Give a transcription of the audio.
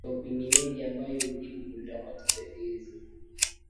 dopamineji ambayo hujibia glutamati Seli hizi